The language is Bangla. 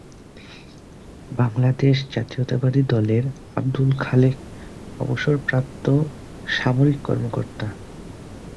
বাংলাদেশ জাতীয়তাবাদী দলের আব্দুল খালেক অবসরপ্রাপ্ত সামরিক কর্মকর্তা।